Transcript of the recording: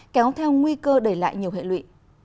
kéo theo nguy cơ đẩy lại nhiều hệ lụy